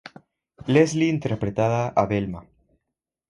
Leslie interpretada a Velma.